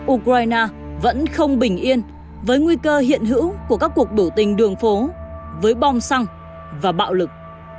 ukraine vẫn không bình yên với nguy cơ hiện hữu của các cuộc biểu tình đường phố với bom xăng và bạo lực